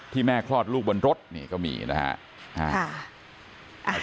แม่คลอดลูกบนรถนี่ก็มีนะครับ